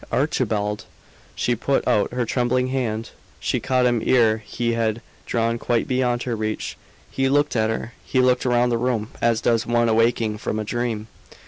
"Archibald!" She put out her trembling hand. She caught him ere he had drawn quite beyond her reach. He looked at her, he looked round the room, as does one awaking from a dream.